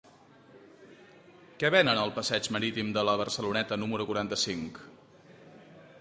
Què venen al passeig Marítim de la Barceloneta número quaranta-cinc?